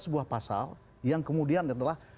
sebuah pasal yang kemudian adalah